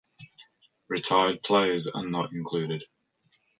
Retired players are not included.